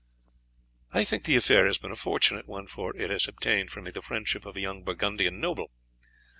"I think the affair has been a fortunate one, for it has obtained for me the friendship of a young Burgundian noble.